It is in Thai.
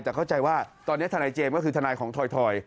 แต่เข้าใจว่าตอนนี้ทนายเจมส์ก็คือทนายของถอย